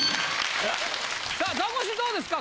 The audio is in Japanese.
さあザコシどうですか。